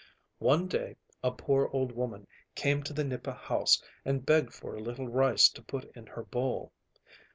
One day a poor old woman came to the nipa house and begged for a little rice to put in her bowl.